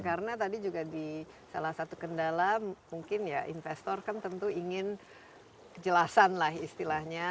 karena tadi juga di salah satu kendala mungkin ya investor kan tentu ingin jelasan lah istilahnya